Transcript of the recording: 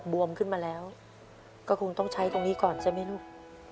วมขึ้นมาแล้วก็คงต้องใช้ตรงนี้ก่อนใช่ไหมลูก